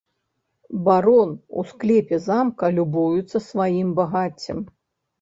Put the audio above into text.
Барон у склепе замка любуецца сваім багаццем.